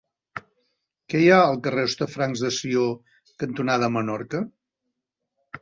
Què hi ha al carrer Hostafrancs de Sió cantonada Menorca?